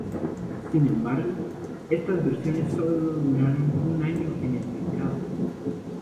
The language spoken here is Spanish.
Sin embargo, estas versiones solo duraron un año en el mercado.